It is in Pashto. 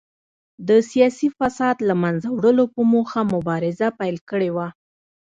د سیاسي فساد له منځه وړلو په موخه مبارزه پیل کړې وه.